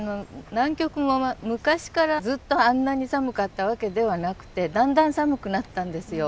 南極も昔からずっとあんなに寒かったわけではなくてだんだん寒くなったんですよ